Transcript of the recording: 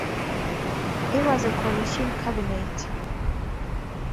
It was a coalition cabinet.